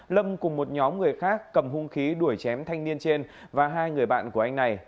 lâm cùng một nhóm người khác cầm hung khí đuổi chém thanh niên trên và hai người bạn của anh này